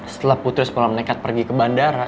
setelah putri sekolah nekat pergi ke bandara